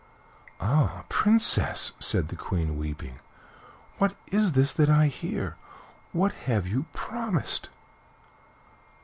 "Ah! Princess," said the Queen, weeping, "what is this that I hear? What have you promised?"